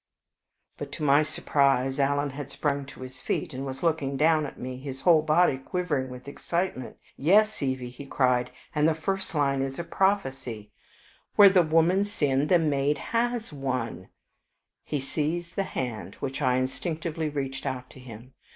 But to my surprise Alan had sprung to his feet, and was looking down at me, his whole body quivering with excitement. "Yes, Evie," he cried, "and the first line is a prophecy; where the woman sinned the maid HAS won." He seized the hand which I instinctively reached out to him.